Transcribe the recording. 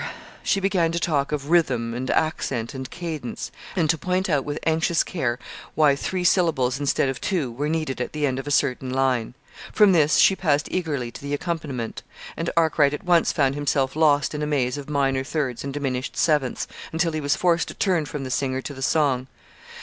she began to talk of "rhythm" and "accent" and "cadence"; and to point out with anxious care why three syllables instead of two were needed at the end of a certain line. From this she passed eagerly to the accompaniment, and Arkwright at once found himself lost in a maze of "minor thirds" and "diminished sevenths," until he was forced to turn from the singer to the song.